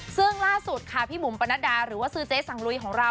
ซึ่งล่าสุดค่ะพี่บุ๋มปนัดดาหรือว่าซื้อเจ๊สังลุยของเรา